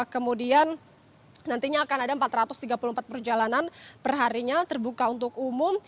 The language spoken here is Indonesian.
kemudian nantinya akan ada empat ratus tiga puluh empat perjalanan perharinya terbuka untuk umum